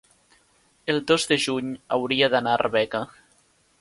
el dos de juny hauria d'anar a Arbeca.